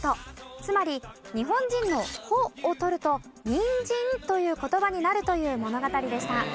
つまり「ニホンジン」の「ホ」を取ると「ニンジン」という言葉になるという物語でした。